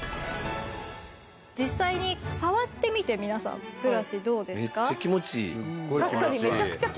実際に触ってみて皆さんブラシどうですか？